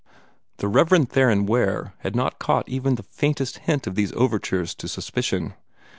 The Rev. Theron Ware had not caught even the faintest hint of these overtures to suspicion.